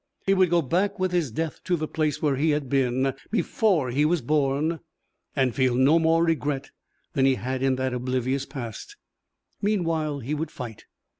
He would go back with his death to the place where he had been before he was born and feel no more regret than he had in that oblivious past. Meanwhile he would fight!